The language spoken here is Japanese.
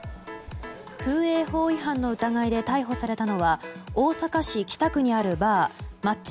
風営法違反の疑いで逮捕されたのは大阪市北区にあるバーｍａｔ茶